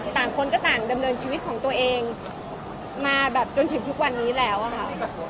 ต่างคนก็ต่างดำเนินชีวิตของตัวเองมาแบบจนถึงทุกวันนี้แล้วอะค่ะ